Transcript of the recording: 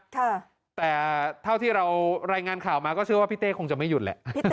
แต่เท่าที่เรารายงานข่าวมาก็เชื่อว่าพี่เต้คงจะไม่หยุดแหละ